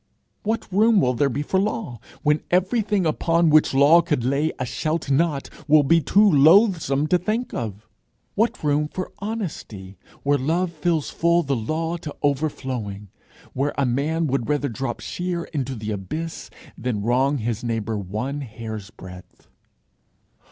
What room will there be for law, when everything upon which law could lay a shalt not will be too loathsome to think of? What room for honesty, where love fills full the law to overflowing where a man would rather drop sheer into the abyss, than wrong his neighbour one hair's breadth?